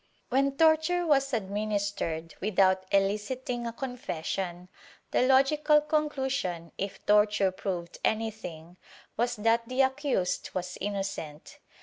When torture was administered, without eHciting a confession, the logical conclusion, if torture proved anything, was that the accused was innocent.